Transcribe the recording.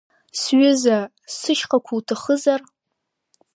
Сҩыза, сышьхақәа уҭахызар…